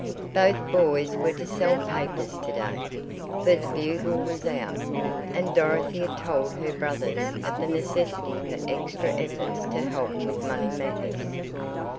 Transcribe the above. Both boys were to sell papers to day, for the Bugle was out, and Dorothy had told her brothers of the necessity for extra efforts to help with money matters.